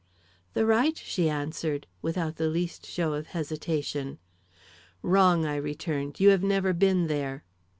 "The right," she answered, without the least show of hesitation. "Wrong," I returned; "you have never been there."